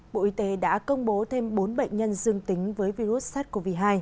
bộ y tế đã công bố thêm bốn bệnh nhân dương tính với virus sars cov hai